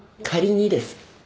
仮にです。